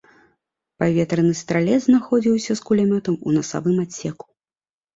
Паветраны стралец знаходзіўся з кулямётам у насавым адсеку.